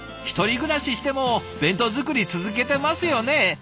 一人暮らししても弁当作り続けてますよね？